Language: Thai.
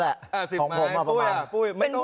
๑๐แหละของผมประมาณ๑๐ไม้ปุ้ยปุ้ยไม่ต้องอาย